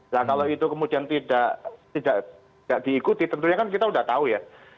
nah kalau itu kemudian tidak diikuti tentunya kan kita sudah tahu ya